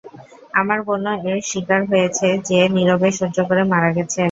আমার বোনও এর স্বীকার হয়েছে, যে নীরবে সহ্য করে মারা গেছে।